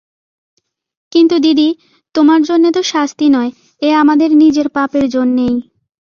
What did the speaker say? কিন্তু দিদি, তোমার জন্যে তো শাস্তি নয়, এ আমাদের নিজের পাপের জন্যেই।